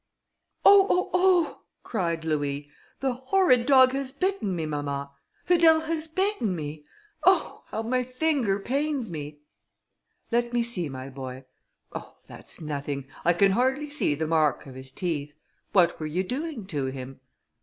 "Oh! oh! oh!" cried Louis, "the horrid dog has bitten me; mamma! Fidèle has bitten me; oh! how my finger pains me!" "Let me see, my boy; oh! that's nothing, I can hardly see the mark of his teeth; what were you doing to him?"